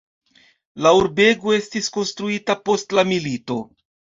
La urbego estis rekonstruita post la milito.